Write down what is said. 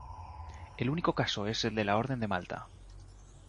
El único caso es el de la Orden de Malta.